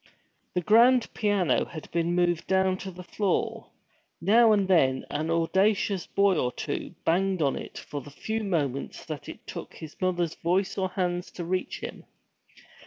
The grand piano had been moved down to the floor. Now and then an audacious boy or two banged on it for the few moments that it took his mother's voice or hands to reach him.